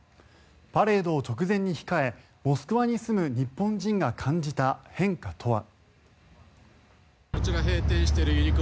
パレードを直前に控えモスクワに住む日本人が感じた変化とは。